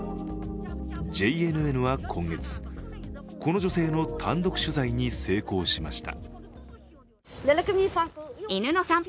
ＪＮＮは今月、この女性の単独取材に成功しました。